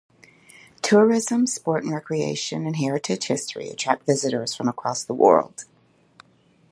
Tourism, sport and recreation, and heritage history attract visitors from across the world.